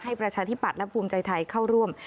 ประชาธิบัตย์และภูมิใจไทยเข้าร่วม